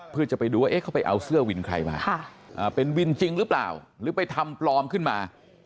เพื่อจะไปดูว่าเขาไปเอาเสื้อวินใครมาเป็นวินจริงหรือเปล่าหรือไปทำปลอมขึ้นมา